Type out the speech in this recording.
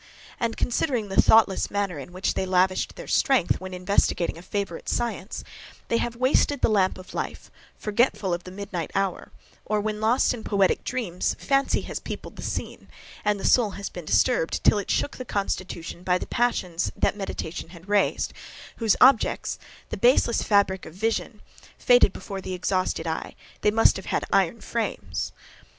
And, considering the thoughtless manner in which they lavished their strength, when investigating a favourite science, they have wasted the lamp of life, forgetful of the midnight hour; or, when, lost in poetic dreams, fancy has peopled the scene, and the soul has been disturbed, till it shook the constitution, by the passions that meditation had raised; whose objects, the baseless fabric of a vision, faded before the exhausted eye, they must have had iron frames.